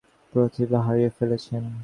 তিনি তার সৃজনশীল প্রতিভা হারিয়ে ফেলছেন।